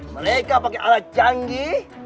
mereka pakai alat canggih